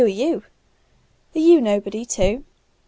Are you nobody, too?